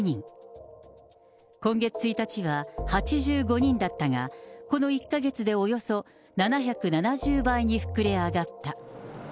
今月１日は８５人だったが、この１か月でおよそ７７０倍に膨れ上がった。